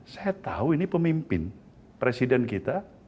saya tahu ini pemimpin presiden kita